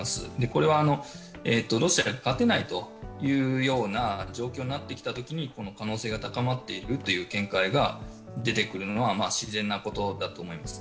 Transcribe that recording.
これはロシアが勝てないというような状況になってきたときにこの可能性が高まっているという見解が出てくるのは自然なことだと思います。